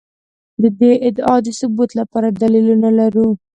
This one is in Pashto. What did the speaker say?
د دې ادعا د ثبوت لپاره دلیلونه لرو.